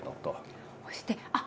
そしてあっ！